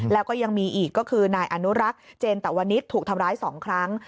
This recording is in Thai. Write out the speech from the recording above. แล้วก็ยังมีอีกก็คือนายอนุรักษ์เจนตวนิษฐ์ถูกทำร้าย๒ครั้ง